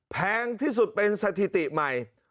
แพงที่สุดเป็นสถิติใหม่